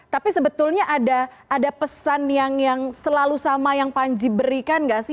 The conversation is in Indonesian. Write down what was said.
tapi sebetulnya ada pesan yang selalu sama yang panji berikan gak sih